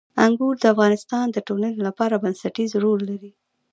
انګور د افغانستان د ټولنې لپاره بنسټيز رول لري.